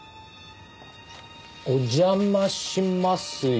お邪魔しますよ。